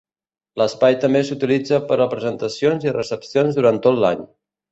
L'espai també s'utilitza per a presentacions i recepcions durant tot l'any.